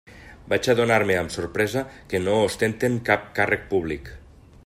Vaig adonar-me amb sorpresa que no ostenten cap càrrec públic.